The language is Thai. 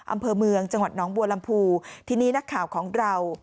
อำเภอเมืองจังหวัดน้องบัวลำพูทีนี้นักข่าวของเรา